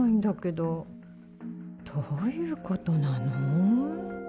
どういうことなの？